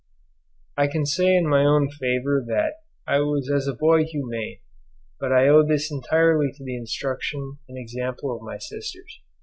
I can say in my own favour that I was as a boy humane, but I owed this entirely to the instruction and example of my sisters.